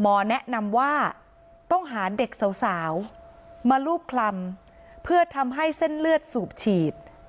หมอแนะนำว่าต้องหาเด็กสาวมารูปคลำเพื่อทำให้เส้นเลือดสูบฉีด